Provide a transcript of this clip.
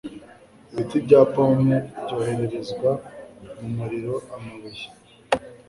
Ibiti bya pome byoherezwa mumuriroamabuye